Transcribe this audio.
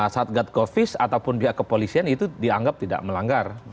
saat gatkovis ataupun pihak kepolisian itu dianggap tidak melanggar